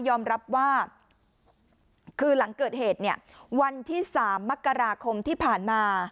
ยอมรับว่าคือหลังเกิดเหตุเนี่ยวันที่๓มกราคมที่ผ่านมา